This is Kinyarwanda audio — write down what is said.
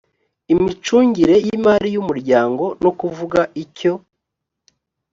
imicungire y imari y umuryango no kuvuga icyo